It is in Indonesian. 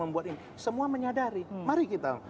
membuat ini semua menyadari mari kita